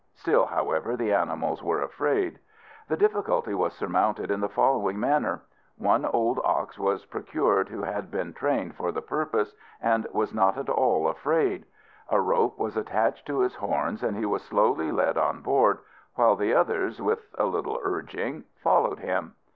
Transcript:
Still, however, the animals were afraid. The difficulty was surmounted in the following manner: One old ox was procured who had been trained for the purpose, and was not at all afraid. A rope was attached to his horns, and he was slowly led on board, while the others, with a little urging, followed him.